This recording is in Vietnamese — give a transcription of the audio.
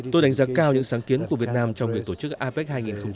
tôi đánh giá cao những sáng kiến của việt nam trong việc tổ chức apec hai nghìn hai mươi